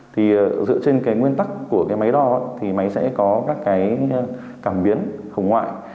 thì dựa trên cái nguyên tắc của cái máy đo thì máy sẽ có các cái cảm biến hồng ngoại